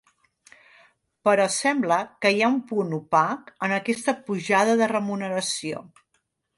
Però sembla que hi ha un punt opac, en aquesta pujada de remuneració.